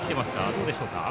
どうでしょうか。